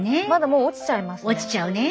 もう落ちちゃいますね。